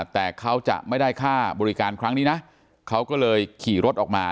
แต่เขาจะไม่ได้ค่าบริการครั้งนี้นะเขาก็เลยขี่รถออกมา